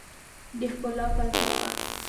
د ښکلا فلسفه